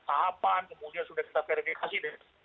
tahapan kemudian sudah kita verifikasi deh